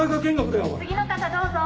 「次の方どうぞ。